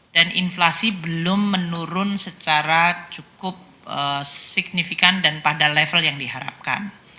dan inflasi belum menurun secara cukup signifikan dan pada level yang diharapkan